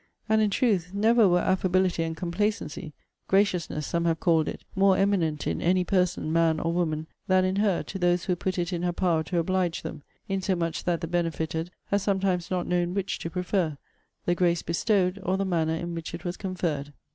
And, in truth, never were affability and complacency (graciousness, some have called it) more eminent in any person, man or woman, than in her, to those who put it in her power to oblige them: insomuch that the benefitted has sometimes not known which to prefer the grace bestowed, or the manner in which it was conferred.